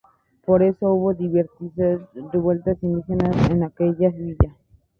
Por eso, hubo diversas revueltas indígenas en aquella villa.